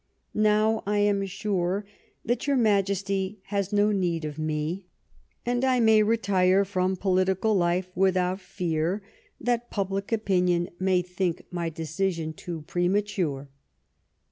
Now, I am sure that your Majesty has no need of me, and I m^ay retire from political life without fear that public 233 Last Fights opinion may think my decision too premature.